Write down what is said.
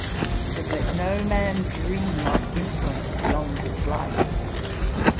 But let no man dream of influence beyond his life.